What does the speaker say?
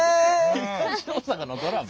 東大阪のドラマ？